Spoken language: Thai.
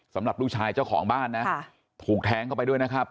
สำหรับลูกชายเจ้าของบ้านนะถูกแทงเข้าไปด้วยนะครับ